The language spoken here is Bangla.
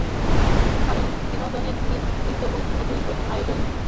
কারণ, বিনোদনের নিত্যনতুন আয়োজন প্রতিবছরই নতুন মণিমুক্তা যোগ করছে পর্যটন নগরীর ভান্ডারে।